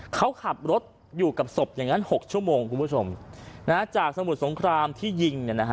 เขาขับรถอยู่กับศพอย่างนั้นหกชั่วโมงคุณผู้ชมนะฮะจากสมุทรสงครามที่ยิงเนี่ยนะฮะ